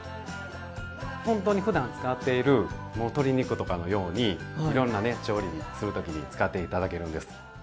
ほんとにふだん使っている鶏肉とかのようにいろんなね調理する時に使って頂けるんです。